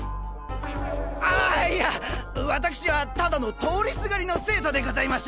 あいやわたくしはただの通りすがりの生徒でございます。